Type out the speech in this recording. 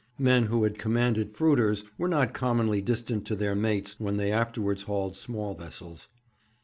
Men who had commanded fruiters were not commonly distant to their mates when they afterwards handled small vessels.